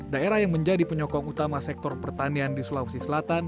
daerah yang menjadi penyokong utama sektor pertanian di sulawesi selatan